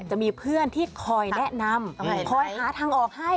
จะมีเพื่อนที่คอยแนะนำคอยหาทางออกให้